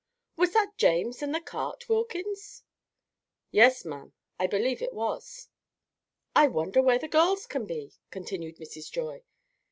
"Was that James and the cart, Wilkins?" "Yes, ma'am, I believe it was." "I wonder where the girls can be," continued Mrs. Joy.